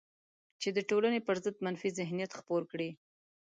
چې د ټولنې پر ضد منفي ذهنیت خپور کړي